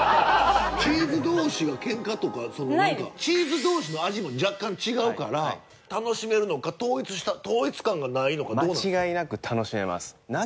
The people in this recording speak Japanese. チーズ同士がケンカとかチーズ同士の味も若干違うから楽しめるのか統一した統一感がないのかどうなんですか？